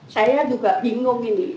saya juga bingung ini